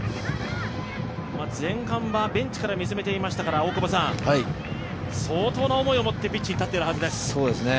前半はベンチから見つめていましたから、相当な思いを持ってピッチに立っているはずです。